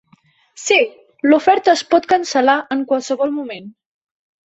Sí, l'oferta es pot cancel·lar en qualsevol moment.